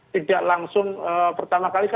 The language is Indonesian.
tidak langsung pertama kali